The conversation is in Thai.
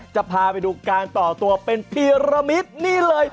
จะพาไปดูการต่อตัวเป็นพีรมิตนี่เลย